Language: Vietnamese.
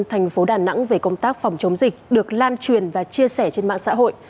thành phố đà nẵng về công tác phòng chống dịch được lan truyền và chia sẻ trên mạng xã hội